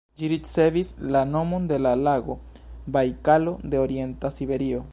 Ĝi ricevis la nomon de la lago Bajkalo de orienta siberio.